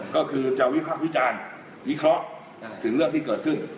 ก็คือจะวิพักวิจารณ์วิเคราะห์ถึงเรื่องที่เกิดขึ้น